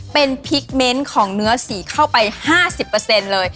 เป็นพริกเม้นต์ของเนื้อสีเข้าไป๕๐เลย